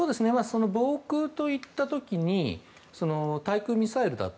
防空といった時に対空ミサイルだと